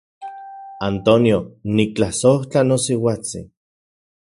Antonio, niktlasojtla nosiuatsin.